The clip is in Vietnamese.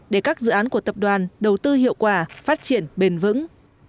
để các dự án của tập đoàn đầu tư hiệu quả phát triển bền vững